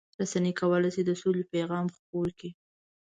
رسنۍ کولای شي د سولې پیغام خپور کړي.